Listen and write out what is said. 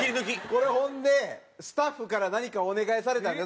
これほんでスタッフから何かお願いされたんでしょ？